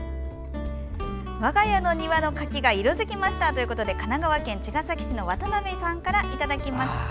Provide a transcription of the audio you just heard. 我が家の庭の柿が色づきましたということで神奈川県茅ヶ崎市の渡辺さんからいただきました。